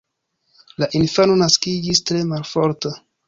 La infano naskiĝis tre malforta.